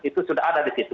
itu sudah ada di situ